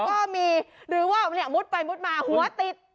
หรือว่ามันอยากมุดไปมุดมาหัวติด